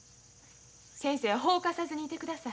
先生は法を犯さずにいてください。